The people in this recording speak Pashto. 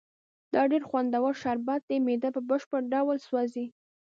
دا ډېر خوندور شربت دی، معده په بشپړ ډول سوځي.